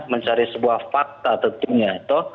mencari sebuah fakta tentunya